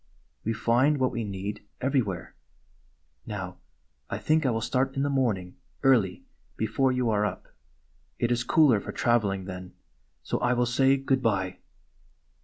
"We find what we need, everywhere. Now, I think I will start in the morning early before you are up. It is cooler for traveling then. So I will say good bye."